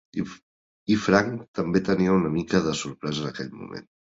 I Frank també tenia una mica de sobrepès en aquell moment.